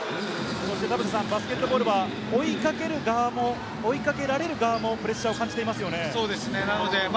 バスケットボールは追いかける側も追いかけられる側もプレッシャーを感じていますよね。